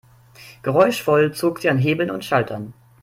Geräuschvoll zog sie an Hebeln und Schaltern.